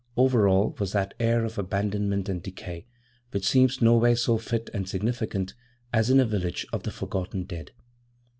Over all was that air of abandonment and decay which seems nowhere so fit and significant as in a village of the forgotten dead.